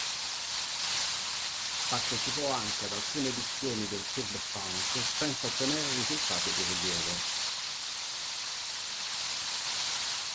Partecipò anche ad alcune edizioni del Tour de France senza ottenere risultati di rilievo.